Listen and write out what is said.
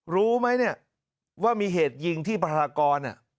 รู้ไหมเนี่ยว่ามีเหตุยิงที่พลากร